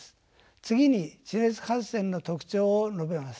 次に地熱発電の特徴を述べます。